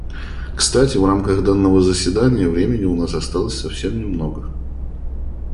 Кстати, в рамках данного заседания времени у нас осталось совсем немного.